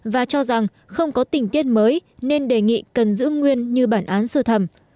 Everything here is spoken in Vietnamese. và cho rằng không có tình tiết mới nên đề nghị cần giữ nguyên như bản án sơ thẩm